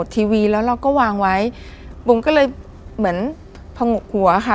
ทีวีแล้วเราก็วางไว้บุ๋มก็เลยเหมือนผงกหัวค่ะ